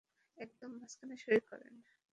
একদম মাঝখানে সই করেন।